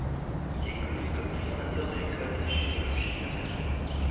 Il est connu comme fondateur de l'école d'égyptologie de Berlin.